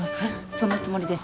そのつもりです。